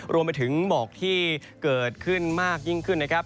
รวมไปถึงหมอกที่เกิดขึ้นมากยิ่งขึ้นนะครับ